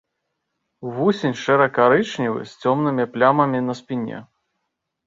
Вусень шэра-карычневы з цёмнымі плямамі на спіне.